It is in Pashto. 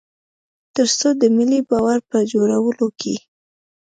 تر څو د ملي باور په جوړولو کې.